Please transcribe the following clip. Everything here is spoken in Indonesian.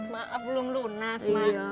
maaf belum lunas